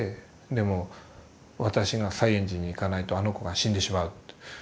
でも私が西圓寺に行かないとあの子が死んでしまう。